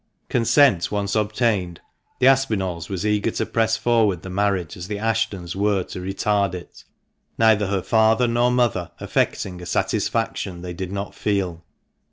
Consent once obtained, the Aspinalls were as eager to press forward the marriage as the Ashtons were to retard it, neither her father nor mother affecting a satisfaction they did not feel.